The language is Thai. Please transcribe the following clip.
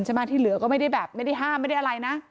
ที่เหลือก็ไม่ได้แบบไม่ได้ห้ามไม่ได้อะไรนะ